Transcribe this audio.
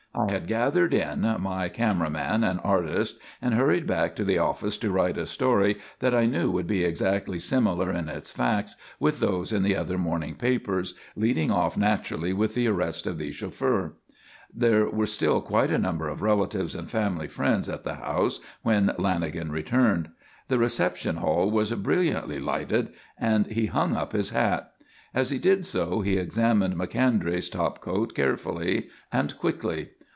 I had gathered in my camera man and artist and hurried back to the office to write a story that I knew would be exactly similar in its facts with those in the other morning papers, leading off naturally with the arrest of the chauffeur. There were still quite a number of relatives and family friends at the house when Lanagan returned. The reception hall was brilliantly lighted, and he hung up his hat. As he did so he examined Macondray's topcoat carefully and quickly.